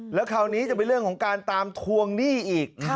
แล้วคราวนี้จะเป็นเรื่องของการตามทวงหนี้อีก